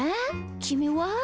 きみは？